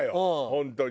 本当に。